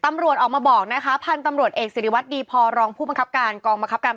ตำรวจออกมาบอกนะคะพันธุ์ตำรวจเอกศิริวัตน์ดีพรรองผู้มังคับการ